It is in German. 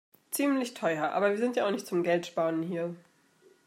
Ziemlich teuer, aber wir sind ja auch nicht zum Geldsparen hier.